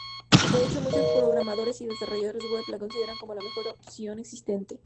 De hecho, muchos programadores y desarrolladores web la consideran como la mejor opción existente.